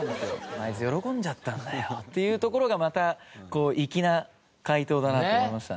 「あいつ喜んじゃったんだよ」っていうところがまた粋な回答だなと思いましたね。